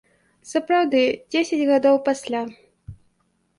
Сапраўды, дзесяць гадоў пасля.